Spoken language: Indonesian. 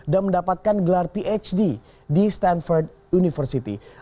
dan mendapatkan gelar phd di stanford university